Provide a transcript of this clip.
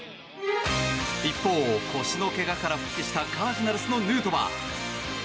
一方、腰のけがから復帰したカージナルスのヌートバー。